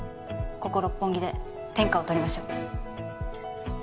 ここ六本木で天下を取りましょう。